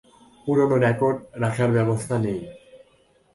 পুরনো রেকর্ড রাখার ব্যবস্থা নেই?